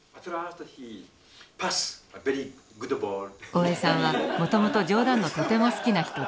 大江さんはもともと冗談のとても好きな人です。